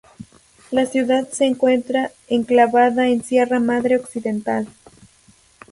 La ciudad se encuentra enclavada en sierra madre occidental.